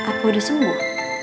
apa udah sembuh